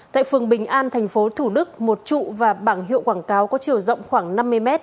tại phường bình an thành phố thủ đức một trụ và bảng hiệu quảng cáo có chiều rộng khoảng năm mươi m